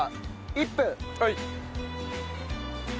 １分。